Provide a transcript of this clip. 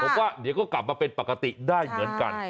ผมว่าเดี๋ยวก็กลับมาเป็นปกติได้เหมือนกัน